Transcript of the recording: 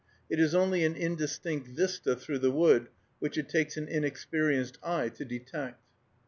It is only an indistinct vista through the wood, which it takes an experienced eye to detect.